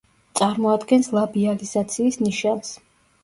წარმოადგენს ლაბიალიზაციის ნიშანს.